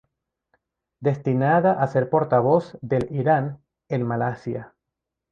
Destinada a ser portavoz del Irán en Malasia.